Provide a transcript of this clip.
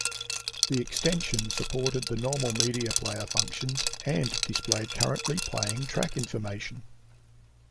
The extension supported the normal media player functions and displayed currently playing track information.